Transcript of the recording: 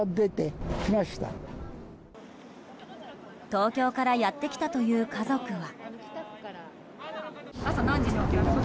東京からやってきたという家族は。